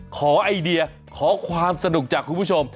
ไอเดียขอความสนุกจากคุณผู้ชม